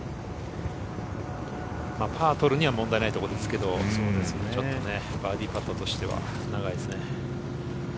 パーとるには問題ないところですけどちょっとねバーディーパットとしては長いですね。